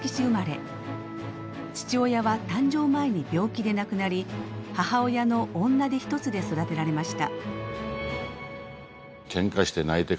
父親は誕生前に病気で亡くなり母親の女手一つで育てられました。